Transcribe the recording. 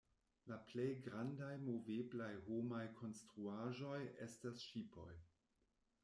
La plej grandaj moveblaj homaj konstruaĵoj estas ŝipoj.